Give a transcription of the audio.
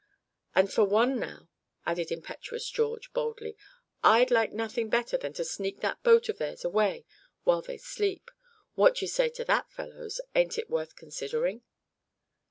"And for one now," added impetuous George, boldly. "I'd like nothing better than to sneak that boat of theirs away while they sleep. What d'ye say to that, fellows, ain't it worth considering?"